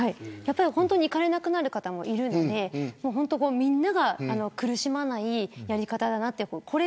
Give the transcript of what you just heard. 本当に行かれなくなる方もいるのでみんなが苦しまないやり方だなって。